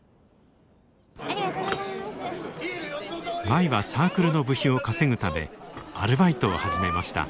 舞はサークルの部費を稼ぐためアルバイトを始めました。